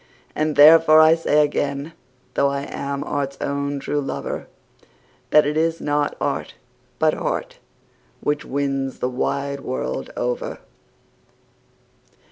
And therefore I say again, though I am art's own true lover, That it is not art, but heart, which wins the wide world over.